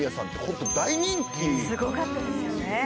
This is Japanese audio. すごかったですよね。